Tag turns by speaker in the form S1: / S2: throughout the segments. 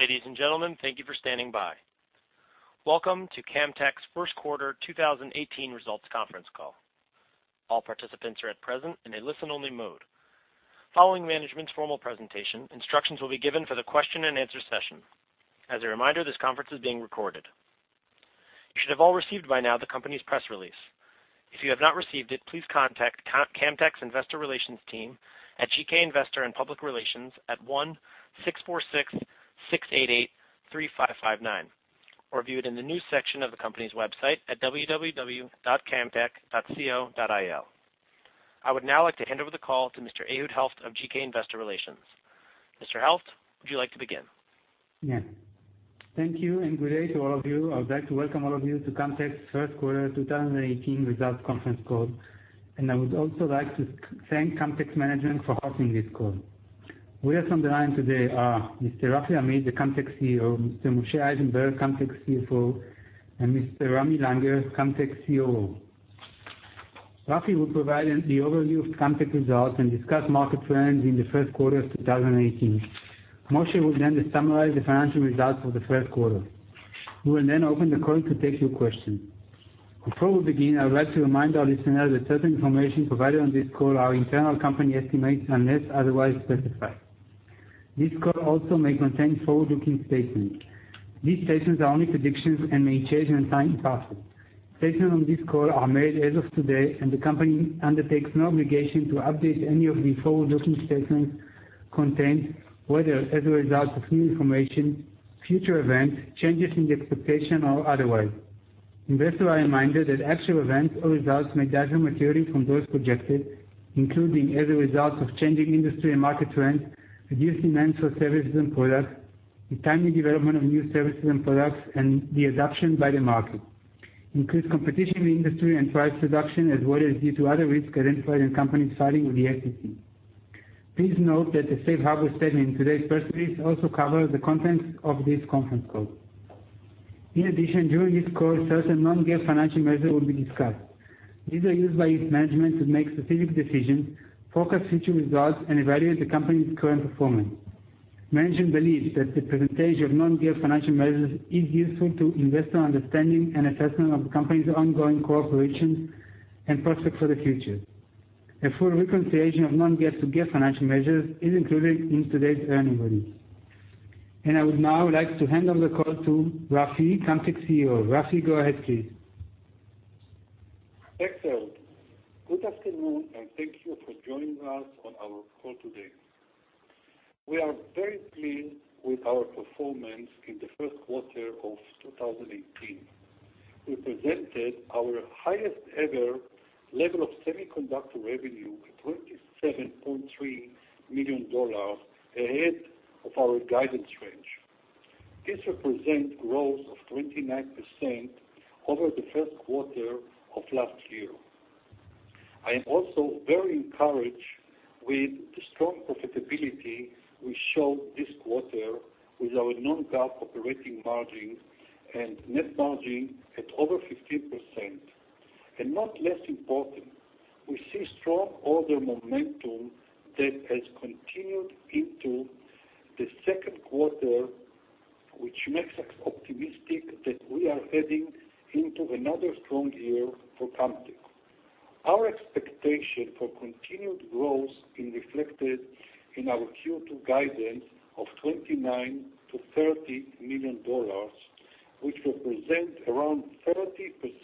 S1: Ladies and gentlemen, thank you for standing by. Welcome to Camtek's first quarter 2018 results conference call. All participants are at present in a listen only mode. Following management's formal presentation, instructions will be given for the question and answer session. As a reminder, this conference is being recorded. You should have all received by now the company's press release. If you have not received it, please contact Camtek's investor relations team at GK Investor & Public Relations at 1-646-688-3559, or view it in the news section of the company's website at www.camtek.com. I would now like to hand over the call to Mr. Ehud Helft of GK Investor Relations. Mr. Helft, would you like to begin?
S2: Yeah. Thank you, and good day to all of you. I would like to welcome all of you to Camtek's first quarter 2018 results conference call. I would also like to thank Camtek's management for hosting this call. With us on the line today are Mr. Rafi Amit, the Camtek CEO, Mr. Moshe Eisenberg, Camtek CFO, and Mr. Ramy Langer, Camtek COO. Rafi will provide the overview of Camtek results and discuss market trends in the first quarter of 2018. Moshe will then summarize the financial results for the first quarter. We will then open the call to take your questions. Before we begin, I would like to remind our listeners that certain information provided on this call are internal company estimates, unless otherwise specified. This call also may contain forward-looking statements. These statements are only predictions and may change when time passes. Statements on this call are made as of today, and the company undertakes no obligation to update any of these forward-looking statement content, whether as a result of new information, future events, changes in the expectation, or otherwise. Investors are reminded that actual events or results may differ materially from those projected, including as a result of changing industry and market trends, reduced demands for services and products, the timely development of new services and products, and the adoption by the market. Increased competition in the industry and price reduction as well as due to other risks identified in companies filing with the SEC. Please note that the safe harbor statement in today's press release also covers the contents of this conference call. In addition, during this call, certain non-GAAP financial measures will be discussed. These are used by management to make specific decisions, forecast future results, and evaluate the company's current performance. Management believes that the presentation of non-GAAP financial measures is useful to investor understanding and assessment of the company's ongoing cooperation and prospects for the future. A full reconciliation of non-GAAP to GAAP financial measures is included in today's earning release. I would now like to hand over the call to Rafi, Camtek's CEO. Rafi, go ahead, please.
S3: Thanks, Ehud. Good afternoon, and thank you for joining us on our call today. We are very pleased with our performance in the first quarter of 2018. We presented our highest ever level of semiconductor revenue at $27.3 million, ahead of our guidance range. This represents growth of 29% over the first quarter of last year. I am also very encouraged with the strong profitability we showed this quarter with our non-GAAP operating margin and net margin at over 15%. Not less important, we see strong order momentum that has continued into the second quarter, which makes us optimistic that we are heading into another strong year for Camtek. Our expectation for continued growth is reflected in our Q2 guidance of $29 million to $30 million, which represent around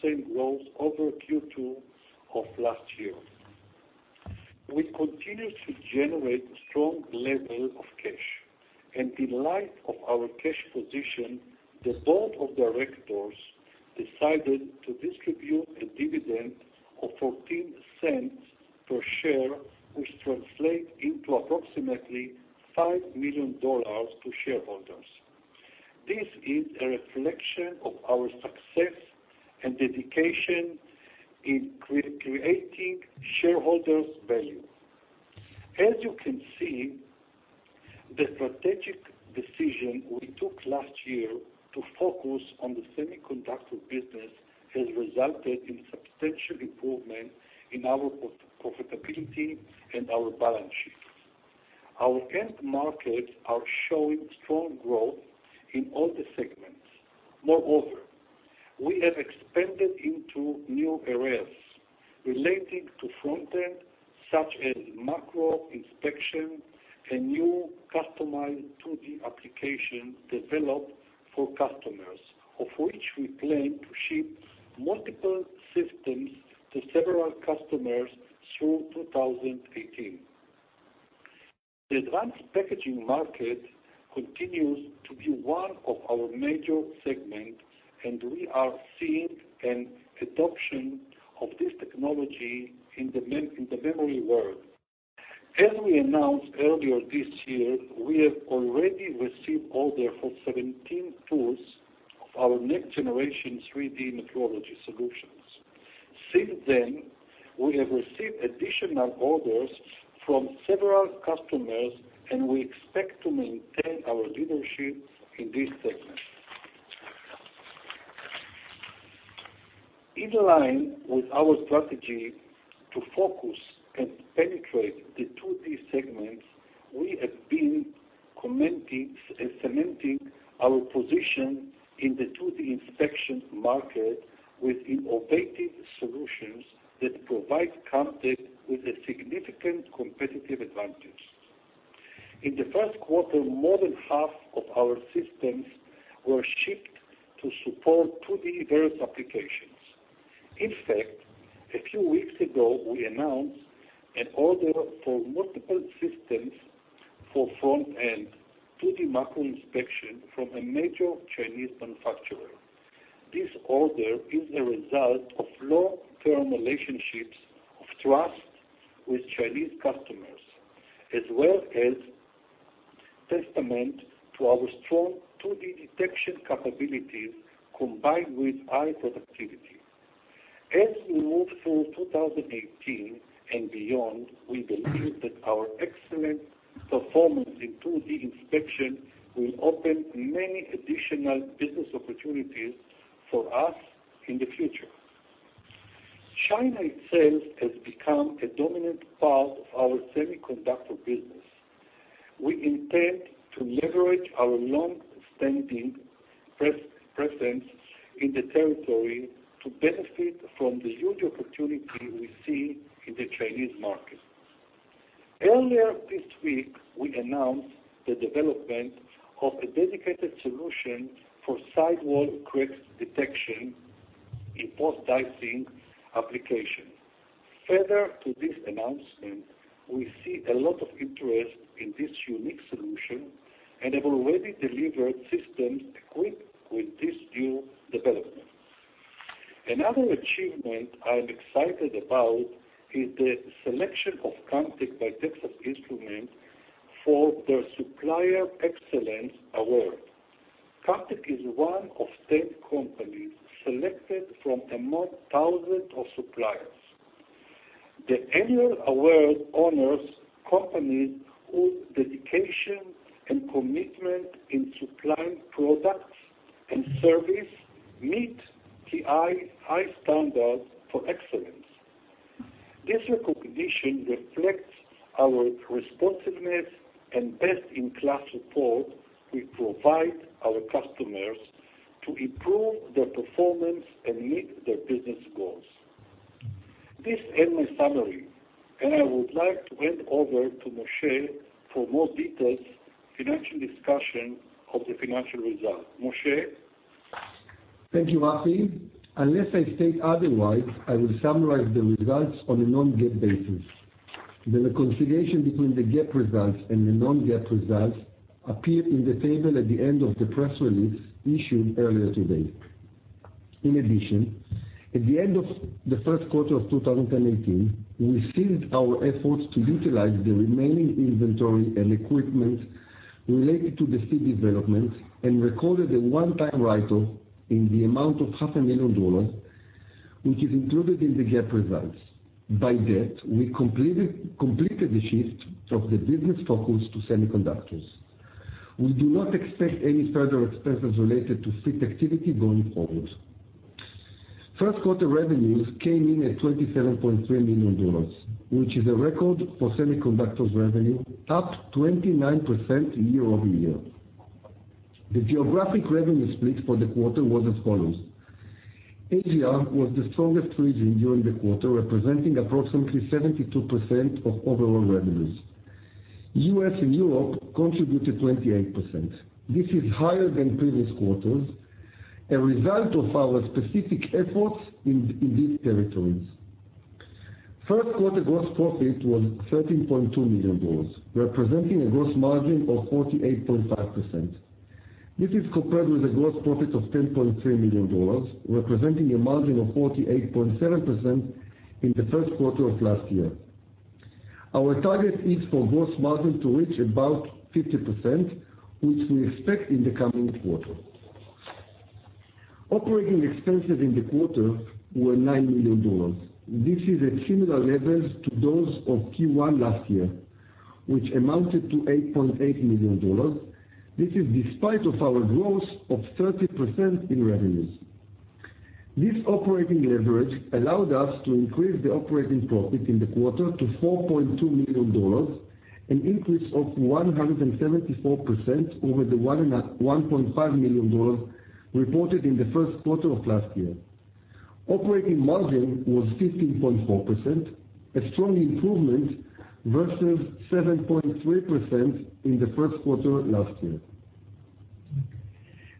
S3: 30% growth over Q2 of last year. We continue to generate strong level of cash. In light of our cash position, the board of directors decided to distribute a dividend of $0.14 per share, which translate into approximately $5 million to shareholders. This is a reflection of our success and dedication in creating shareholders value. As you can see, the strategic decision we took last year to focus on the semiconductor business has resulted in substantial improvement in our profitability and our balance sheets. Our end markets are showing strong growth in all the segments. Moreover, we have expanded into new areas relating to front-end, such as macro inspection and new customized 2D application developed for customers, of which we plan to ship multiple systems to several customers through 2018. The advanced packaging market continues to be one of our major segments, and we are seeing an adoption of this technology in the memory world. As we announced earlier this year, we have already received order for 17 tools of our next generation 3D metrology solutions. Since then, we have received additional orders from several customers, and we expect to maintain our leadership in this segment. In line with our strategy to focus and penetrate the 2D segments, we have been cementing our position in the 2D inspection market with innovative solutions that provide Camtek with a significant competitive advantage. In the first quarter, more than half of our systems were shipped to support 2D various applications. In fact, a few weeks ago, we announced an order for multiple systems for front-end 2D macro inspection from a major Chinese manufacturer. This order is a result of long-term relationships of trust with Chinese customers, as well as testament to our strong 2D detection capabilities, combined with high productivity. As we move through 2018 and beyond, we believe that our excellent performance in 2D inspection will open many additional business opportunities for us in the future. China itself has become a dominant part of our semiconductor business. We intend to leverage our long-standing presence in the territory to benefit from the huge opportunity we see in the Chinese market. Earlier this week, we announced the development of a dedicated solution for sidewall cracks detection in post-dicing application. Further to this announcement, we see a lot of interest in this unique solution and have already delivered systems equipped with this new development. Another achievement I'm excited about is the selection of Camtek by Texas Instruments for their Supplier Excellence Award. Camtek is one of 10 companies selected from among thousands of suppliers. The annual award honors companies whose dedication and commitment in supplying products and service meet TI high standards for excellence. This recognition reflects our responsiveness and best-in-class support we provide our customers to improve their performance and meet their business goals. This ends my summary, I would like to hand over to Moshe for more details, financial discussion of the financial results. Moshe?
S4: Thank you, Rafi. Unless I state otherwise, I will summarize the results on a non-GAAP basis. The reconciliation between the GAAP results and the non-GAAP results appear in the table at the end of the press release issued earlier today. In addition, at the end of the first quarter of 2018, we sealed our efforts to utilize the remaining inventory and equipment related to the FIT development and recorded a one-time write-off in the amount of half a million dollars, which is included in the GAAP results. By that, we completed the shift of the business focus to semiconductors. We do not expect any further expenses related to FIT activity going forward. First quarter revenues came in at $27.3 million, which is a record for semiconductors revenue, up 29% year-over-year. The geographic revenue split for the quarter was as follows. Asia was the strongest region during the quarter, representing approximately 72% of overall revenues. U.S. and Europe contributed 28%. This is higher than previous quarters, a result of our specific efforts in these territories. First quarter gross profit was $13.2 million, representing a gross margin of 48.5%. This is compared with a gross profit of $10.3 million, representing a margin of 48.7% in the first quarter of last year. Our target is for gross margin to reach about 50%, which we expect in the coming quarter. Operating expenses in the quarter were $9 million. This is at similar levels to those of Q1 last year, which amounted to $8.8 million. This is despite of our growth of 30% in revenues. This operating leverage allowed us to increase the operating profit in the quarter to $4.2 million, an increase of 174% over the $1.5 million reported in the first quarter of last year. Operating margin was 15.4%, a strong improvement versus 7.3% in the first quarter last year.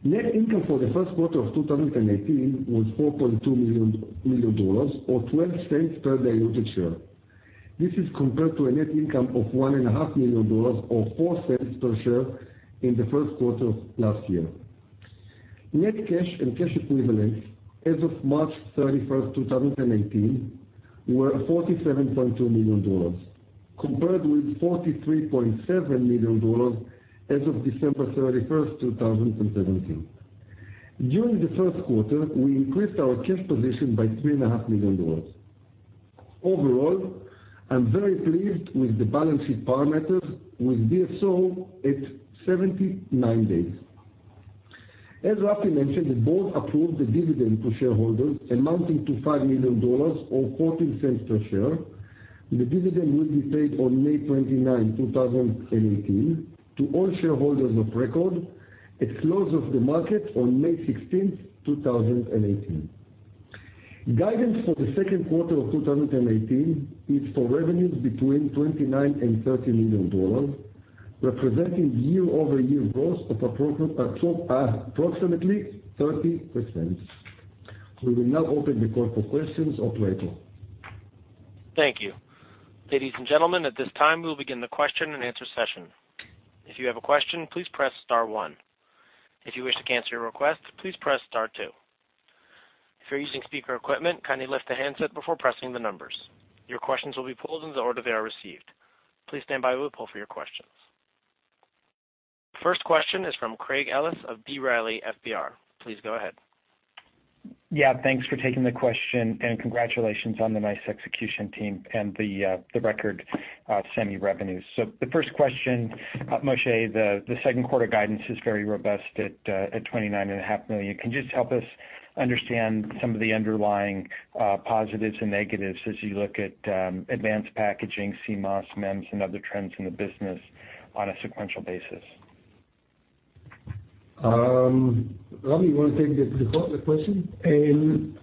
S4: Net income for the first quarter of 2018 was $4.2 million, or $0.12 per diluted share. This is compared to a net income of $1.5 million, or $0.04 per share in the first quarter of last year. Net cash and cash equivalents as of March 31st, 2018, were $47.2 million, compared with $43.7 million as of December 31st, 2017. During the first quarter, we increased our cash position by $3.5 million. Overall, I'm very pleased with the balance sheet parameters with DSO at 79 days. As Rafi mentioned, the board approved the dividend to shareholders amounting to $5 million or $0.14 per share. The dividend will be paid on May 29, 2018, to all shareholders of record. At close of the market on May 16, 2018. Guidance for the second quarter of 2018 is for revenues between $29 million and $30 million, representing year-over-year growth of approximately 30%. We will now open the call for questions, Operator.
S1: Thank you. Ladies and gentlemen, at this time, we will begin the question and answer session. If you have a question, please press star one. If you wish to cancel your request, please press star two. If you're using speaker equipment, kindly lift the handset before pressing the numbers. Your questions will be pulled in the order they are received. Please stand by. We will pull for your questions. First question is from Craig Ellis of B. Riley FBR. Please go ahead.
S5: Yeah. Thanks for taking the question, and congratulations on the nice execution team and the record semi revenues. The first question, Moshe, the second quarter guidance is very robust at $29.5 million. Can you just help us understand some of the underlying positives and negatives as you look at advanced packaging, CMOS, MEMS, and other trends in the business on a sequential basis?
S6: Rafi, you want to take the question?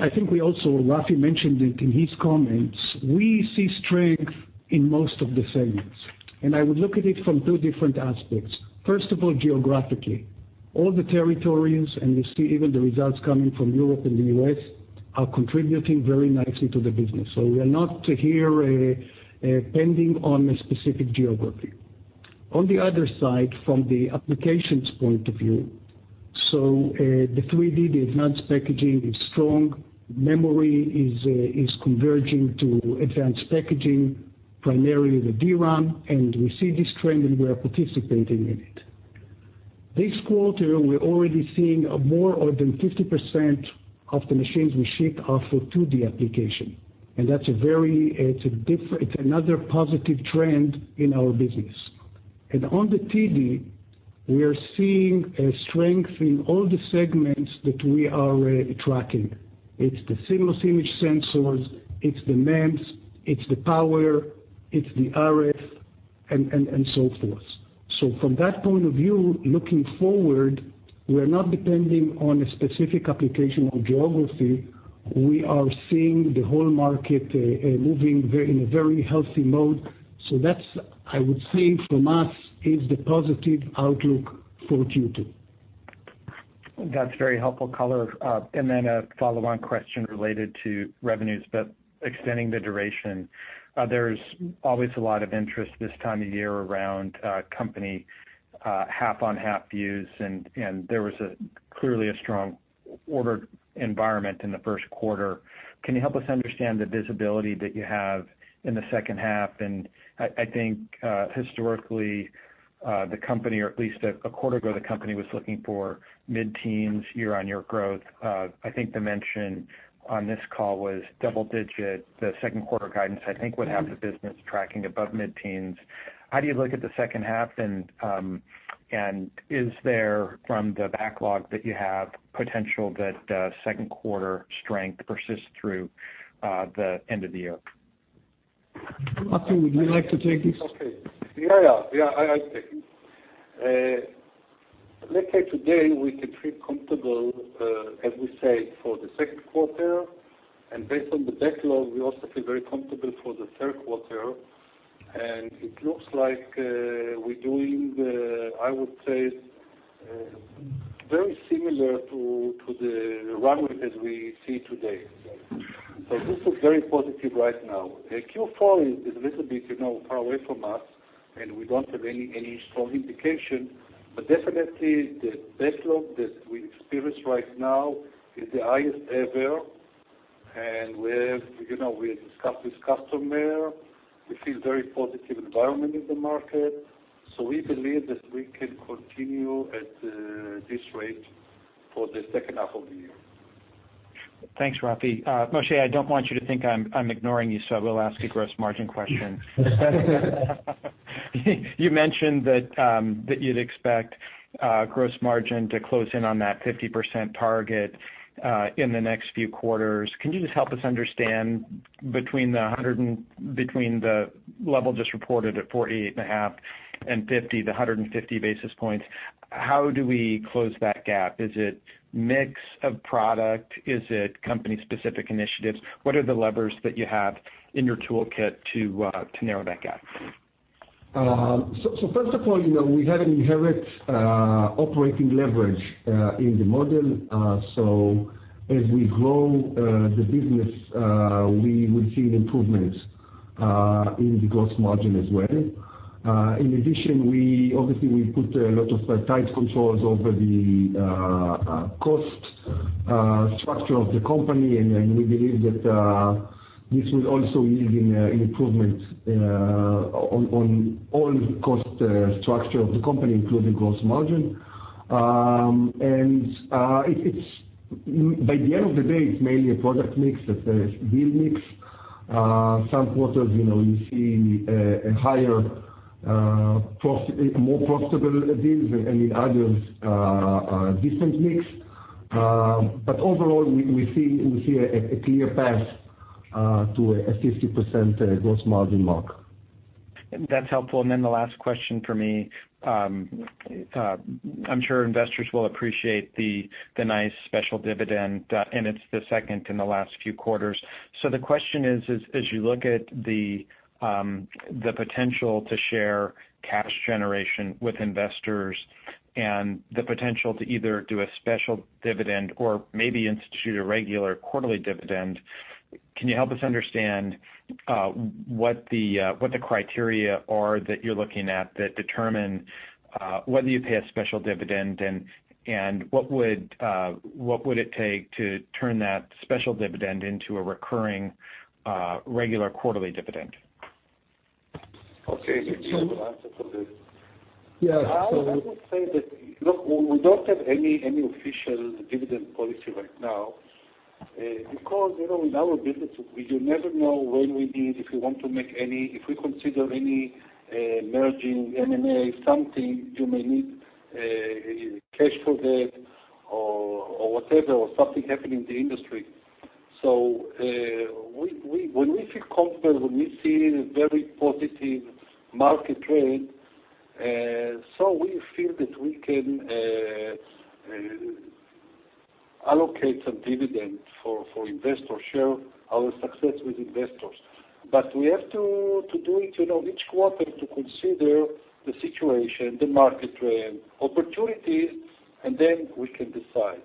S6: I think we also, Rafi mentioned it in his comments, we see strength in most of the segments. I would look at it from two different aspects. First of all, geographically. All the territories, and you see even the results coming from Europe and the U.S., are contributing very nicely to the business. We are not here depending on a specific geography. On the other side, from the applications point of view, so the 3D, the advanced packaging is strong. Memory is converging to advanced packaging, primarily the DRAM, and we see this trend, and we are participating in it. This quarter, we're already seeing more than 50% of the machines we ship are for 2D application. That's another positive trend in our business. On the 2D, we are seeing a strength in all the segments that we are tracking. It's the CMOS image sensors, it's the MEMS, it's the power, it's the RF, and so forth. From that point of view, looking forward, we're not depending on a specific application or geography. We are seeing the whole market moving in a very healthy mode. That's, I would say, from us, is the positive outlook for Q2.
S5: That's very helpful color. Then a follow-on question related to revenues, but extending the duration. There's always a lot of interest this time of year around company half-on-half views, and there was clearly a strong order environment in the first quarter. Can you help us understand the visibility that you have in the second half? I think, historically, the company, or at least a quarter ago, the company was looking for mid-teens year-on-year growth. I think the mention on this call was double digit. The second quarter guidance, I think, would have the business tracking above mid-teens. How do you look at the second half, and is there, from the backlog that you have, potential that second quarter strength persists through the end of the year?
S6: Rafi, would you like to take this?
S3: Okay. Yeah. I'll take it. Let's say today we can feel comfortable, as we say, for the second quarter. Based on the backlog, we also feel very comfortable for the third quarter. It looks like we're doing, I would say, very similar to the runway as we see today. This is very positive right now. Q4 is a little bit far away from us, and we don't have any strong indication, but definitely the backlog that we experience right now is the highest ever, and we discuss with customer. We feel very positive environment in the market, so we believe that we can continue at this rate for the second half of the year.
S5: Thanks, Rafi. Moshe, I don't want you to think I'm ignoring you, I will ask a gross margin question. You mentioned that you'd expect gross margin to close in on that 50% target in the next few quarters. Can you just help us understand between the level just reported at 48.5 and 50, the 150 basis points, how do we close that gap? Is it mix of product? Is it company specific initiatives? What are the levers that you have in your toolkit to narrow that gap?
S4: First of all, we have an inherent operating leverage in the model. As we grow the business, we will see an improvement in the gross margin as well. In addition, obviously, we put a lot of tight controls over the cost structure of the company, we believe that this will also lead in improvement on all the cost structure of the company, including gross margin. By the end of the day, it's mainly a product mix, it's a deal mix. Some quarters, you see a more profitable deals, and in others are different mix. Overall, we see a clear path to a 50% gross margin mark.
S5: That's helpful. The last question for me. I'm sure investors will appreciate the nice special dividend, and it's the second in the last few quarters. The question is, as you look at the potential to share cash generation with investors and the potential to either do a special dividend or maybe institute a regular quarterly dividend, can you help us understand what the criteria are that you're looking at that determine whether you pay a special dividend, and what would it take to turn that special dividend into a recurring, regular quarterly dividend?
S3: Okay. Do you want to answer for this? Yeah, I would say that, look, we don't have any official dividend policy right now. Because with our business, you never know when we need, if we want to make any, if we consider any merging, M&A, something, you may need cash for that or whatever, or something happen in the industry. When we feel comfortable, when we see a very positive market trend, we feel that we can allocate some dividend for investors, share our success with investors. We have to do it, each quarter to consider the situation, the market trend, opportunities, and then we can decide.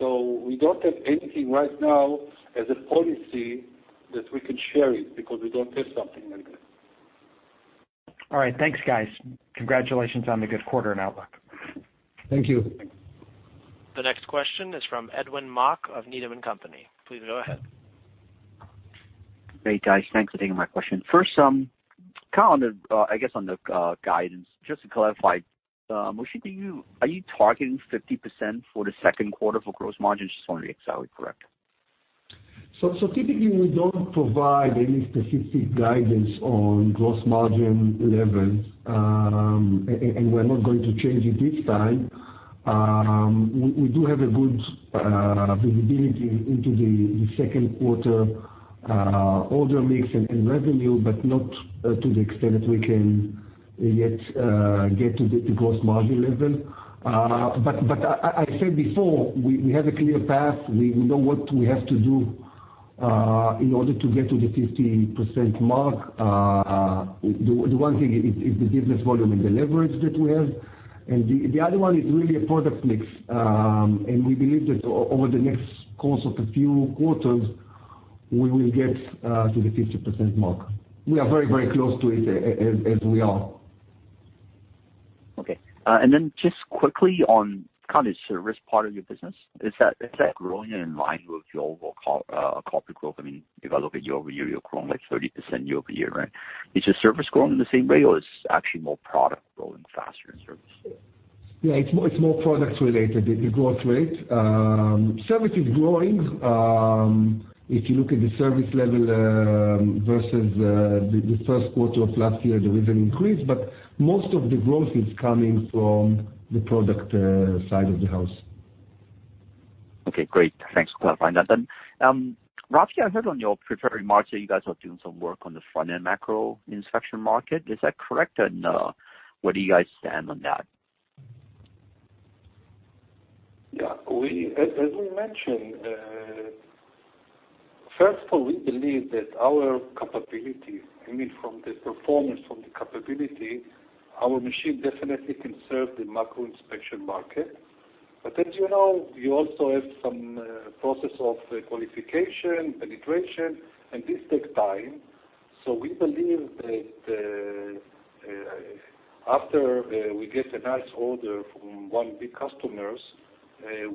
S3: We don't have anything right now as a policy that we can share it, because we don't have something like that.
S5: All right. Thanks, guys. Congratulations on the good quarter and outlook.
S3: Thank you. Thank you.
S1: The next question is from Edwin Mok of Needham & Company. Please go ahead.
S7: Great, guys. Thanks for taking my question. First, kind of on the guidance, just to clarify, Moshe, are you targeting 50% for the second quarter for gross margin? Just want to make sure I was correct.
S4: Typically, we don't provide any specific guidance on gross margin levels, and we're not going to change it this time. We do have a good visibility into the second quarter order mix and revenue, but not to the extent that we can yet get to the gross margin level. I said before, we have a clear path. We know what we have to do in order to get to the 50% mark. The one thing is the business volume and the leverage that we have, and the other one is really a product mix. We believe that over the next course of a few quarters, we will get to the 50% mark. We are very close to it as we are.
S7: Okay. Just quickly on kind of service part of your business. Is that growing in line with your overall corporate growth? I mean, if I look at year-over-year, you're growing like 30% year-over-year, right? Is your service growing the same rate or is actually more product growing faster than service?
S4: Yeah, it's more products related, the growth rate. Service is growing. If you look at the service level versus the first quarter of last year, there is an increase, but most of the growth is coming from the product side of the house.
S7: Okay, great. Thanks for clarifying that then. Rafi, I heard on your prepared remarks that you guys are doing some work on the front-end macro inspection market. Is that correct, and where do you guys stand on that?
S3: Yeah. As we mentioned, first of all, we believe that our capability, from the performance, from the capability, our machine definitely can serve the macro inspection market. As you know, you also have some process of qualification, penetration, and this takes time. We believe that after we get a nice order from one big customers,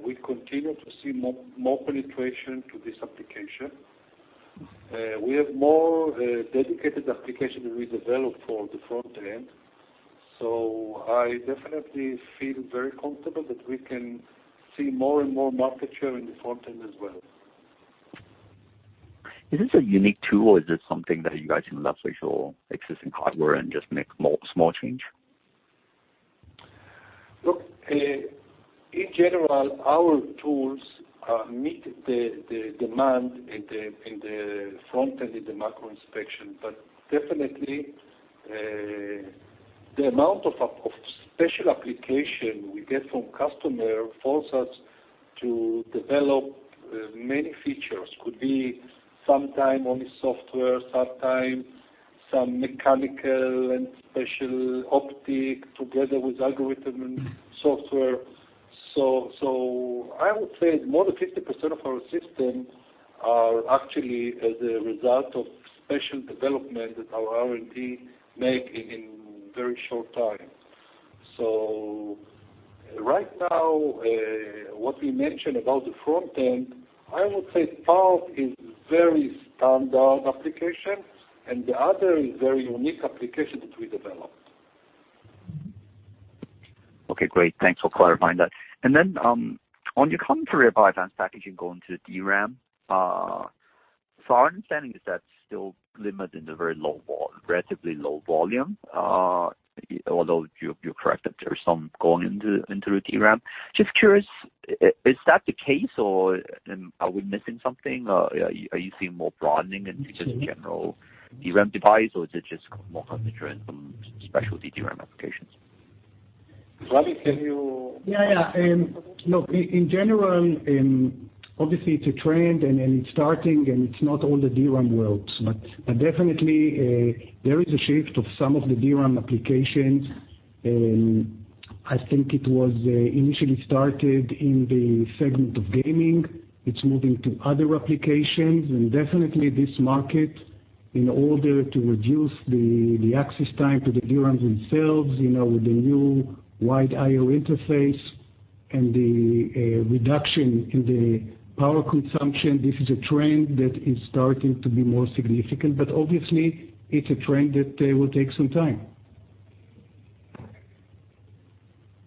S3: we continue to see more penetration to this application. We have more dedicated application we developed for the front-end. I definitely feel very comfortable that we can see more and more market share in the front-end as well.
S7: Is this a unique tool, or is this something that you guys can leverage your existing hardware and just make small change?
S3: Look, in general, our tools meet the demand in the front-end, in the macro inspection. Definitely, the amount of special application we get from customer force us to develop many features. Could be sometime only software, sometime some mechanical and special optic together with algorithm and software. I would say more than 50% of our system are actually as a result of special development that our R&D make in very short time. Right now, what we mentioned about the front-end, I would say part is very standard application, and the other is very unique application that we developed.
S7: Okay, great. Thanks for clarifying that. On your commentary about advanced packaging going to DRAM. Our understanding is that's still limited to very relatively low volume, although you're correct that there's some going into the DRAM. Just curious, is that the case or are we missing something? Are you seeing more broadening in just general DRAM device, or is it just more concentrated on some specialty DRAM applications?
S3: Rafi, can you?
S6: Yeah. Look, in general, obviously it's a trend and it's starting, and it's not all the DRAM worlds, but definitely, there is a shift of some of the DRAM applications, and I think it was initially started in the segment of gaming. It's moving to other applications, and definitely this market, in order to reduce the access time to the DRAMs themselves, with the new Wide I/O interface and the reduction in the power consumption. This is a trend that is starting to be more significant, but obviously it's a trend that will take some time.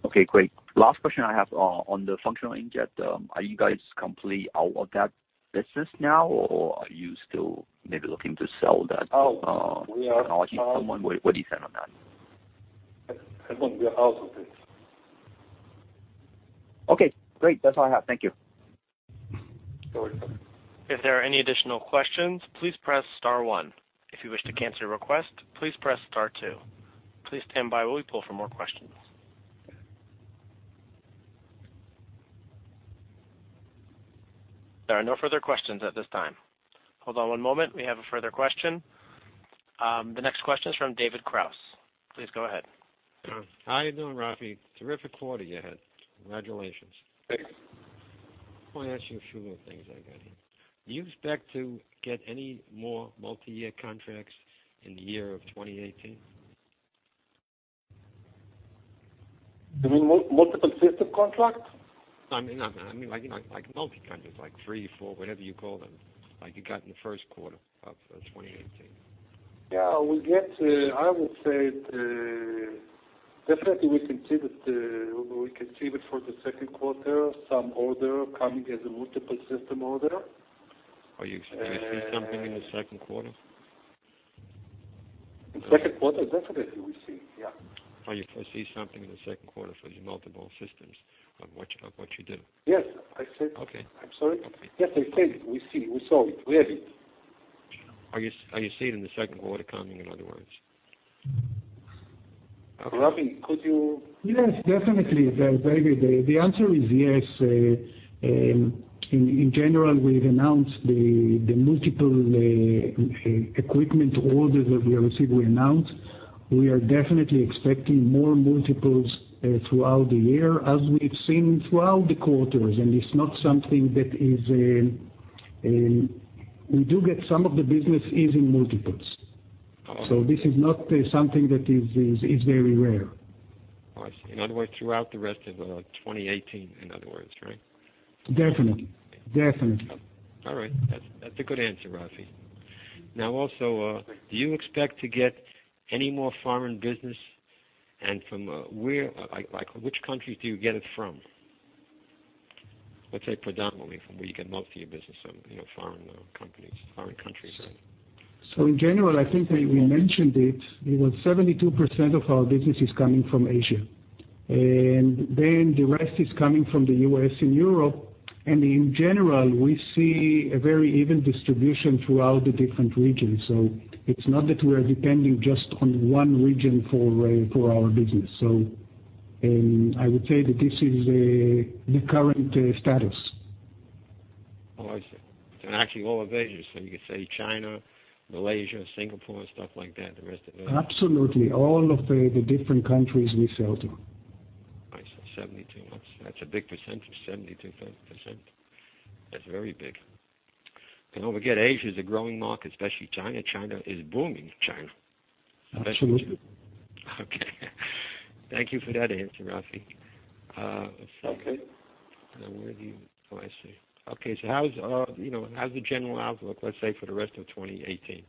S7: Okay, great. Last question I have on the functional inkjet. Are you guys completely out of that business now, or are you still maybe looking to sell that technology to someone? What do you say on that?
S3: Edwin, we are out of it.
S7: Okay, great. That's all I have. Thank you.
S3: You're welcome.
S1: If there are any additional questions, please press star one. If you wish to cancel your request, please press star two. Please stand by while we pull for more questions. There are no further questions at this time. Hold on one moment. We have a further question. The next question is from David Kraus. Please go ahead.
S8: How are you doing, Rafi? Terrific quarter you had. Congratulations.
S3: Thanks.
S8: I want to ask you a few little things I got here. Do you expect to get any more multi-year contracts in the year of 2018?
S3: You mean multiple system contracts?
S8: No, I mean like multi-contracts, like three, four, whatever you call them, like you got in the first quarter of 2018.
S3: Yeah, we get, I would say, definitely we can see that for the second quarter, some order coming as a multiple system order.
S8: Do you see something in the second quarter?
S3: In second quarter? Definitely we see, yeah.
S8: You foresee something in the second quarter for the multiple systems of what you do?
S3: Yes.
S8: Okay.
S3: I'm sorry?
S8: Okay.
S3: Yes, I said we saw it, we have it.
S8: Are you saying the second quarter coming, in other words?
S3: Ramy, could you?
S6: Yes, definitely, David. The answer is yes. In general, we've announced the multiple equipment orders that we have received. We are definitely expecting more multiples throughout the year as we've seen throughout the quarters. We do get some of the business is in multiples.
S8: Oh.
S6: This is not something that is very rare.
S8: I see. In other words, throughout the rest of 2018, right?
S6: Definitely.
S8: All right. That's a good answer, Rafi.
S3: Thank you
S8: Do you expect to get any more foreign business, and from where? Which countries do you get it from? Let's say predominantly from where you get most of your business from, foreign companies, foreign countries, right?
S6: In general, I think we mentioned it was 72% of our business is coming from Asia, and then the rest is coming from the U.S. and Europe. In general, we see a very even distribution throughout the different regions. It's not that we're depending just on one region for our business. I would say that this is the current status.
S8: I see. Actually all of Asia. You could say China, Malaysia, Singapore, stuff like that, the rest of Asia.
S6: Absolutely. All of the different countries we sell to.
S8: I see. 72. That's a big percentage, 72%. That's very big. Don't forget, Asia is a growing market, especially China. China is booming.
S6: Absolutely.
S8: Okay. Thank you for that answer, Rafi.
S3: Okay.
S8: Where do you Oh, I see. Okay. How's the general outlook, let's say for the rest of 2018?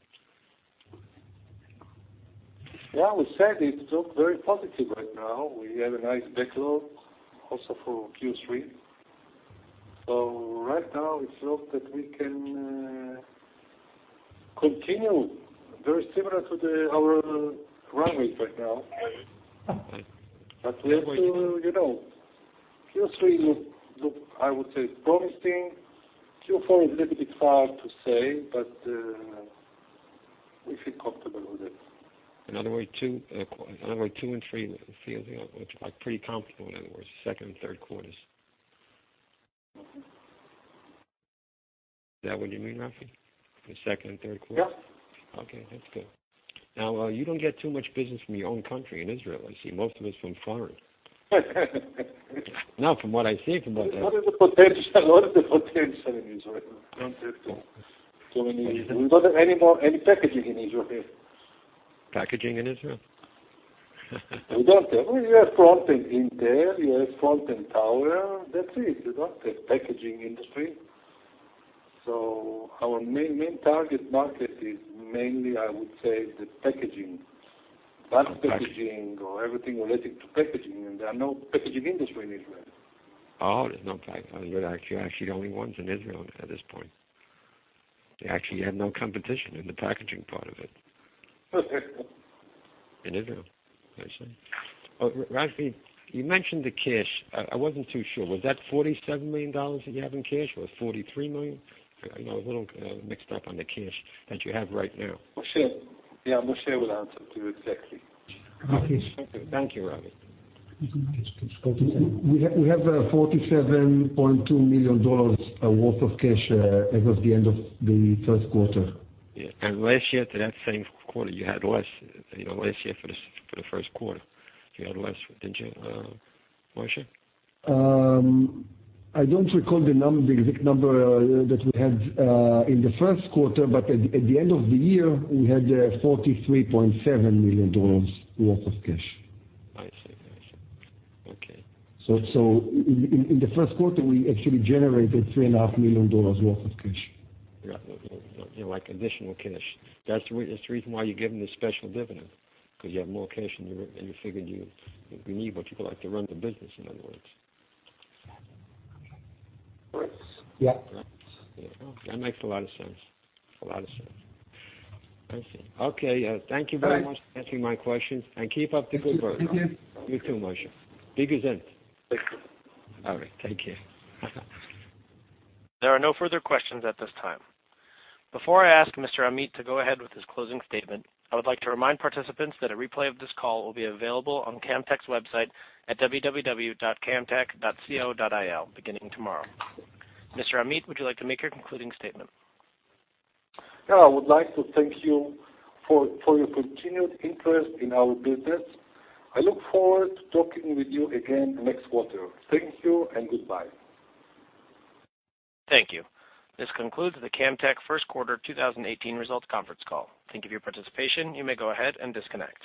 S3: We said it looks very positive right now. We have a nice backlog also for Q3. Right now it looks that we can continue very similar to our run rate right now. Q3 looks, I would say, promising. Q4 is a little bit hard to say, but we feel comfortable with it.
S8: In other words, two and three feel like pretty comfortable, in other words, second and third quarters. Is that what you mean, Rafi? The second and third quarters?
S3: Yeah.
S8: Okay, that's good. You don't get too much business from your own country in Israel, I see most of it's from foreign. From what I see from-
S3: What is the potential in Israel? We don't have any more packaging in Israel here.
S8: Packaging in Israel?
S3: We don't. We have front end Intel, we have front end Tower. That's it. We don't have packaging industry. Our main target market is mainly, I would say, the packaging. That's packaging or everything related to packaging, and there are no packaging industry in Israel.
S8: You're actually the only ones in Israel at this point. You actually have no competition in the packaging part of it.
S3: Perfect.
S8: In Israel, I see. Rafi, you mentioned the cash. I wasn't too sure. Was that $47 million that you have in cash, or $43 million? I got a little mixed up on the cash that you have right now.
S3: Moshe. Yeah, Moshe will answer to you exactly.
S8: Okay. Thank you, Rafi.
S4: We have $47.2 million worth of cash as of the end of the first quarter.
S8: Yeah. Last year to that same quarter, you had less. Last year for the first quarter, you had less, didn't you, Moshe?
S4: I don't recall the exact number that we had in the first quarter, but at the end of the year, we had $43.7 million worth of cash.
S8: I see. Okay.
S4: In the first quarter, we actually generated $3.5 million worth of cash.
S8: Yeah. Like additional cash. That's the reason why you're giving the special dividend, because you have more cash, and you figured you need what you collect to run the business, in other words.
S4: Yes.
S8: That makes a lot of sense. I see. Okay. Thank you very much for answering my questions, and keep up the good work.
S3: Thank you.
S8: You too, Moshe. Be good then.
S3: Thank you.
S8: All right. Take care.
S1: There are no further questions at this time. Before I ask Mr. Amit to go ahead with his closing statement, I would like to remind participants that a replay of this call will be available on Camtek's website at www.camtek.com beginning tomorrow. Mr. Amit, would you like to make your concluding statement?
S3: Yeah, I would like to thank you for your continued interest in our business. I look forward to talking with you again next quarter. Thank you and goodbye.
S1: Thank you. This concludes the Camtek first quarter 2018 results conference call. Thank you for your participation. You may go ahead and disconnect.